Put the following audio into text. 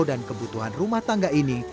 kebutuhan rumah tangga ini